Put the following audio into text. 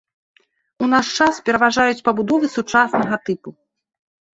У наш час пераважаюць пабудовы сучаснага тыпу.